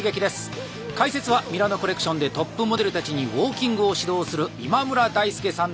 解説はミラノ・コレクションでトップモデルたちにウォーキングを指導する今村大祐さんです。